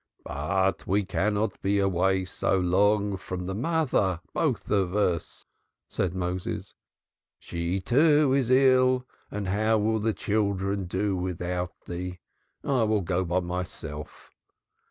"But we cannot be so long away from the mother both of us," said Moses. "She, too, is ill. And how will the children do without thee? I will go by myself."